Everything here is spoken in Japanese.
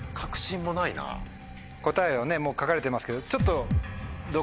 答えをもう書かれてますけどちょっと。